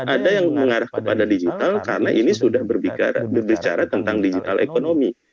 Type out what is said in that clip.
ada yang mengarah kepada digital karena ini sudah berbicara tentang digital ekonomi